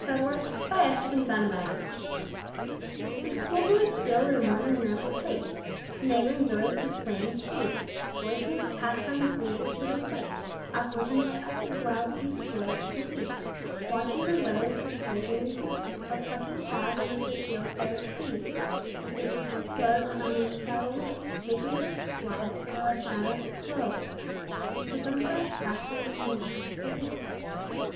John Clare Schoolboys in Winter THE schoolboys still their morning ramble take To neighboring village school with playing speed, Loitering with passtime's leisure till they quake, Oft looking up the wild geese droves to heed, Watching the letters which their journeys make; Or plucking haws on which their fieldfares feed, And hips and sloes; and on each shallow lake Making glib slides, where they like shadows go Till some fresh passtimes in their minds awake.